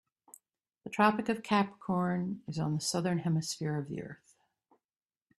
The Tropic of Capricorn is on the Southern Hemisphere of the earth.